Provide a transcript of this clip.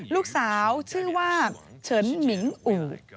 ลูกสาวชื่อว่าเฉินหมิงอืด